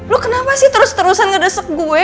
lu kenapa sih terus terusan ngedesek gue